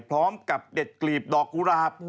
พร้อมกับเด็ดกลีบดอกกุหลาบ